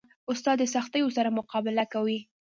استاد د سختیو سره مقابله کوي.